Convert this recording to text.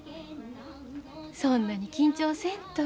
そんなに緊張せんと。